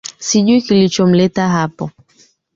Sijui kilichomleta hapo